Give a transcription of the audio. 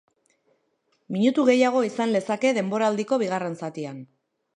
Minutu gehiago izan lezake denboraldiko bigarren zatian.